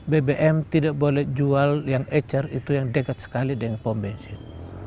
bbm tidak boleh jual yang ecer itu yang dekat sekali dengan pom bensin